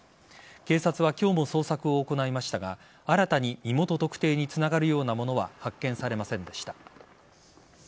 警察は今日も捜索を行いましたが新たに身元特定につながるようなものは発見されませんでした。